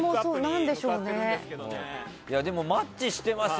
でもマッチしてますよ。